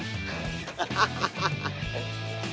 ハハハハハ！